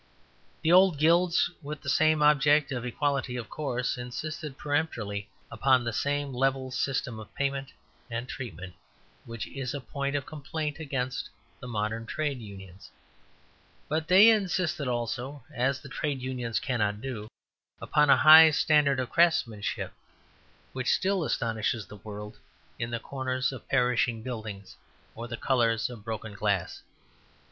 The old Guilds, with the same object of equality, of course, insisted peremptorily upon the same level system of payment and treatment which is a point of complaint against the modern Trades Unions. But they insisted also, as the Trades Unions cannot do, upon a high standard of craftsmanship, which still astonishes the world in the corners of perishing buildings or the colours of broken glass.